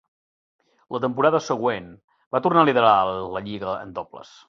La temporada següent, va tornar a liderar la lliga en dobles.